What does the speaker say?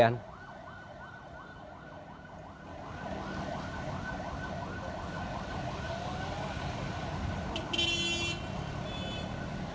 dan upaya pemadaman juga masih terus terjadi atau dilakukan oleh pemadam kejadian